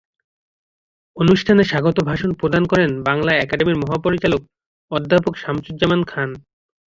অনুষ্ঠানে স্বাগত ভাষণ প্রদান করেন বাংলা একাডেমির মহাপরিচালক অধ্যাপক শামসুজ্জামান খান।